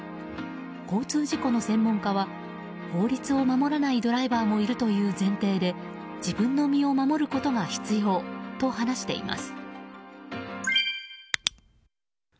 交通事故の専門家は法律を守らないドライバーもいるという前提で自分の身を守ることが必要と話しています。